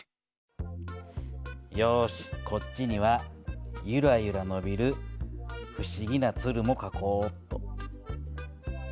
よしこっちにはゆらゆらのびる不思議なつるもかこおっと。